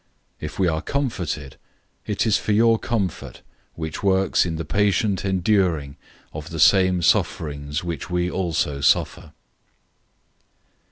If we are comforted, it is for your comfort, which produces in you the patient enduring of the same sufferings which we also suffer.